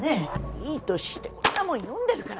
いい年してこんなもん読んでるから